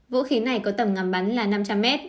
vũ khí này có tầm ngắm bắn là năm trăm linh m